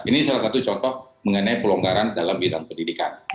ini salah satu contoh mengenai pelonggaran dalam bidang pendidikan